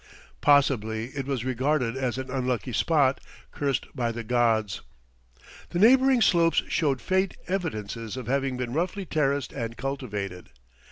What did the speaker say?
Possibly it was regarded as an unlucky spot, cursed by the gods. The neighboring slopes showed faint evidences of having been roughly terraced and cultivated.